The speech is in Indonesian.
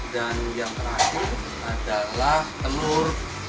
dan yang terakhir adalah telur